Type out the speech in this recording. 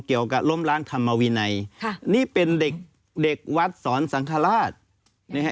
เกี่ยวกับล้มล้างธรรมวินัยนี่เป็นเด็กวัดสอนสังฆราช